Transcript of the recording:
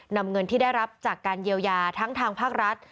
นำเงินที่ได้รับจากการเยียวยาทั้งทางภาครัฐ